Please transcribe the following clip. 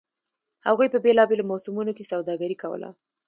هغوی په بېلابېلو موسمونو کې سوداګري کوله